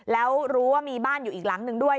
แล้วรู้ว่ามีบ้านอยู่อีกหลังหนึ่งด้วย